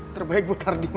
terbaik buat ardi ma